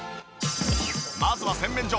まずは洗面所。